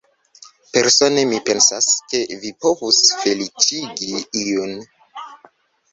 Persone mi pensas, ke vi povus feliĉigi iun.